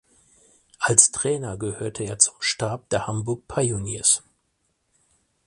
Als Trainer gehörte er zum Stab der Hamburg Pioneers.